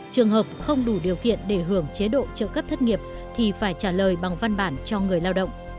trường hợp không đủ điều kiện để hưởng chế độ trợ cấp thất nghiệp thì phải trả lời bằng văn bản cho người lao động